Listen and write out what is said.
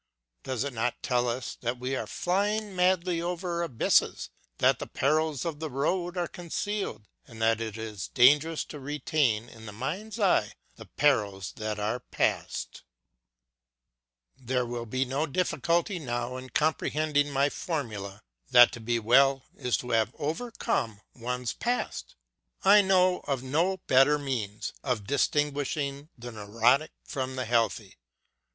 Does it not tell us that we are flying madly over abysses, that the perils of the road are concealed and that it is dangerous to retain in the mind's eye the perils that are past ? LOOKING BACKWARD 195 There will be no difficulty now in comprehending my formula that to be well is to have overcome one's past. I know of no better means of dis tinguishing the neurotic from the healthy.